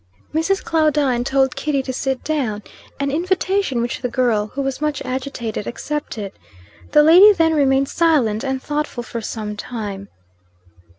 Mrs. Claudine told Kitty to sit down, an invitation which the girl, who was much agitated, accepted. The lady then remained silent and thoughtful for some time.